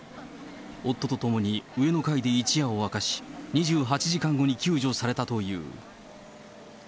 夫と共に上の階で一夜を明かし、２８時間後に救助されたという。